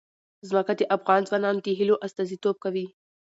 ځمکه د افغان ځوانانو د هیلو استازیتوب کوي.